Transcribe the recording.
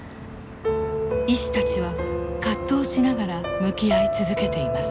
医師たちは葛藤しながら向き合い続けています。